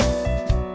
oke sampai jumpa